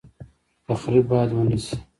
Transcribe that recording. تخریب باید ونشي